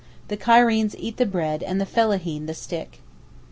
The Cairenes eat the bread and the fellaheen eat the stick.